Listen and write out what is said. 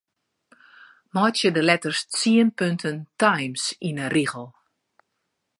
Meitsje de letters tsien punten Times yn 'e rigel.